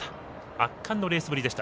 圧巻のレースぶりでした。